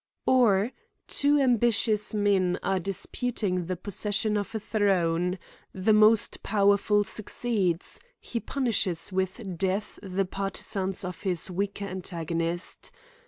Or, two ambitious men are disputing the pos session of a throne : the most powerful succeeds; he punishes with death the partisans of his weak er antagonist.